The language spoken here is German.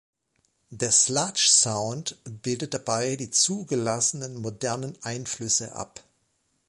Der Sludge-Sound bildet dabei die zugelassenen modernen Einflüsse ab.